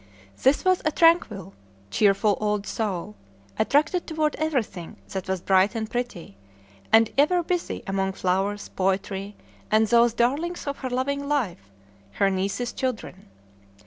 This was a tranquil, cheerful old soul, attracted toward everything that was bright and pretty, and ever busy among flowers, poetry, and those darlings of her loving life, her niece's children.